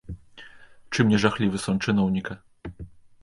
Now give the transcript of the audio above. Чым не жахлівы сон чыноўніка!